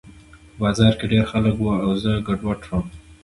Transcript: په بازار کې ډېر خلک وو او زه ګډوډ شوم